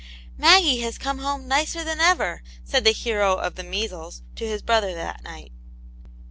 " Maggie has come home nicer than ever," said the hero of the measles to his brother that night.